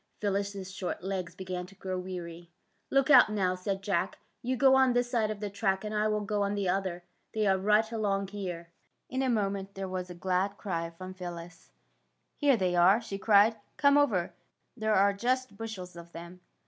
Phyllis 's short legs began to grow weary. '' Look out, now," said Jack. '' You go on this side of the track, and I will go on the other. They are right along here! " 171 172 THE SHOOTING STAR In a moment there was a glad cry from Phyllis. ^' Here they are! '' she cried. " Come over. There are just bushels of them!